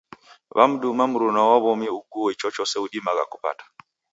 Wamduma mruna wa w'omi uguo ichochose udimagha kupata.